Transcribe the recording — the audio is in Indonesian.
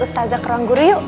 ustazah ke ruang guru yuk